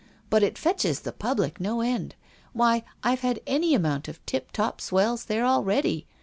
But it fetches the public, no end. Why, I've had any amount of tip top swells there already.